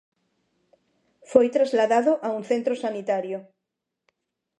Foi trasladado a un centro sanitario.